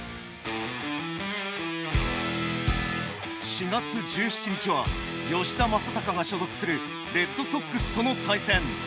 ４月１７日は吉田正尚が所属するレッドソックスとの対戦。